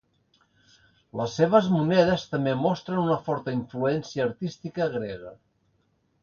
Les seves monedes també mostren una forta influència artística grega.